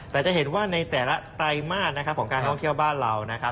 แต่จะเห็นว่าในแต่ละไตรมาสของการท่องเที่ยวบ้านเรานะครับ